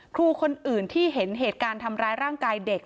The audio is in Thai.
ครูคนอื่นที่เห็นเหตุการณ์ทำร้ายร่างกายเด็ก